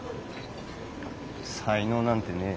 才能なんてねえ。